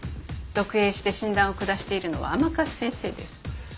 読影して診断を下しているのは甘春先生です。